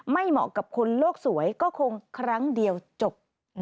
เหมาะกับคนโลกสวยก็คงครั้งเดียวจบ